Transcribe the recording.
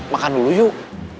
makan dulu yuk